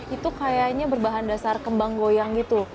itu kayaknya berbahan dasar kembang goyang gitu